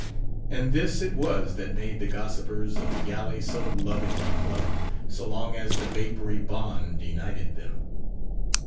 And this it was that made the gossipers of the galley so loving a club, so long as the vapoury bond united them.